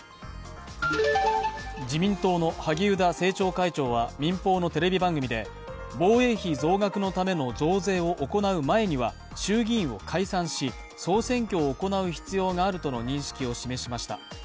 自民党の萩生田政調会長は民放のテレビ番組で防衛費増額のための増税を行う前には衆議院を解散し、総選挙を行う必要があるとの認識を示しました。